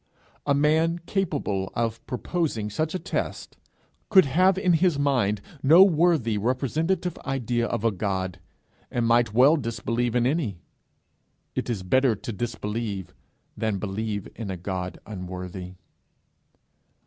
A man capable of proposing such a test, could have in his mind no worthy representative idea of a God, and might well disbelieve in any: it is better to disbelieve than believe in a God unworthy.